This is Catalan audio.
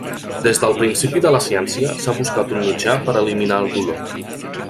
Des del principi de la ciència s'ha buscat un mitjà per a eliminar el dolor.